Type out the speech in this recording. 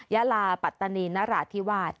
ยาลาปัตตานีนราธิวาส